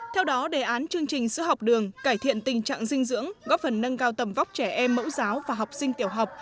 theo đó đề án chương trình sữa học đường cải thiện tình trạng dinh dưỡng góp phần nâng cao tầm vóc trẻ em mẫu giáo và học sinh tiểu học